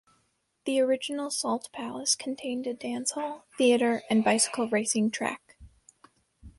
The original Salt Palace contained a dance hall, theater, and bicycle racing track.